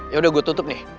yaudah gue tutup nih